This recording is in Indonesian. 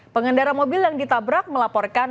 pengendara mobil yang ditabrak melaporkan